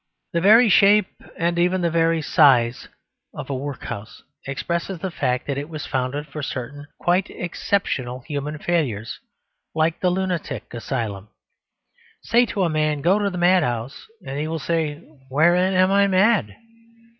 The very shape (and even the very size) of a workhouse express the fact that it was founded for certain quite exceptional human failures like the lunatic asylum. Say to a man, "Go to the madhouse," and he will say, "Wherein am I mad?"